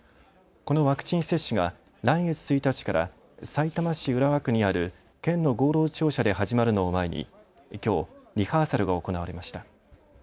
このワクチン接種が来月１日からさいたま市浦和区にある県の合同庁舎で始まるのを前にきょうリハーサルが行われました。